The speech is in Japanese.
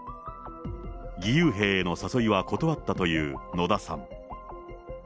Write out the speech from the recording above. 義勇兵への誘いは断ったという野田さん。